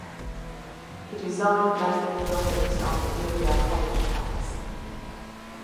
He designed many of the buildings on the Berea College Campus.